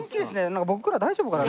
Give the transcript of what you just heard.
なんか僕ら大丈夫かな？